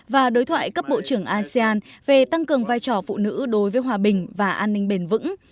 và đối thoại cấp bộ trưởng asean về tăng cường vai trò phụ nữ đối với hòa bình và an ninh bền vững